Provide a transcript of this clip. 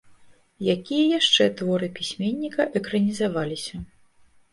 Якія яшчэ творы пісьменніка экранізаваліся.